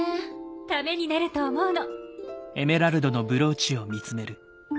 ためになると思うの。